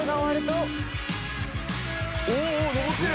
「おおおお上ってる！」